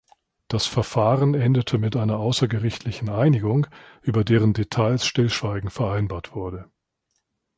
Das Verfahren endete mit einer außergerichtlichen Einigung, über deren Details Stillschweigen vereinbart wurde.